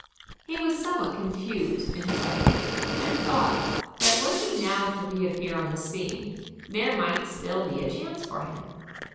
He was somewhat confused in his ideas, and thought, that were he now to re appear on the scene there might still be a chance for him.